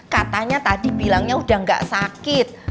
katanya tadi bilangnya udah gak sakit